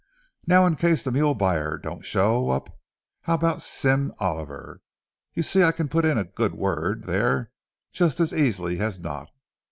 Now, in case the mule buyer don't show up, how about Sim Oliver? You see, I can put in a good word there just as easily as not.